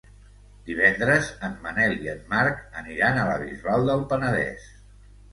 Divendres en Manel i en Marc aniran a la Bisbal del Penedès.